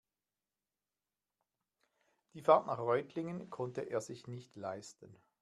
Die Fahrt nach Reutlingen konnte er sich nicht leisten